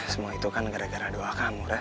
semua itu kan gara gara doa kamu kan